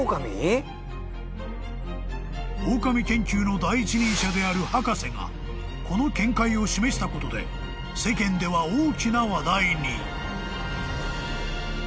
［オオカミ研究の第一人者である博士がこの見解を示したことで世間では大きな話題に］